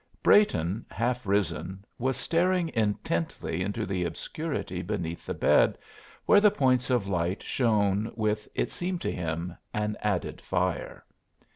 Brayton, half risen, was staring intently into the obscurity beneath the bed, where the points of light shone with, it seemed to him, an added fire.